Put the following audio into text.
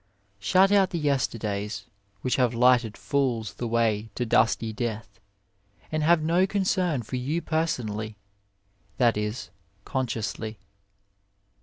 Shut out the yesterdays, which have lighted fools the way to dusty death, and have no concern for you personally, that is, consciously.